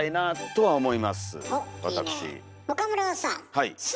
はい。